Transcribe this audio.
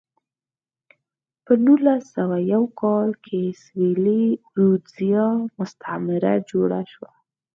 په نولس سوه یو کال کې سویلي رودزیا مستعمره جوړه شوه.